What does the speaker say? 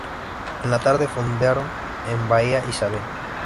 En la tarde fondearon en bahía Isabel.